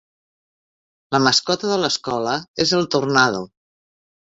La mascota de l'escola és el Tornado.